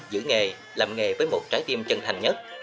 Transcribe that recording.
giữ nghề làm nghề với một trái tim chân thành nhất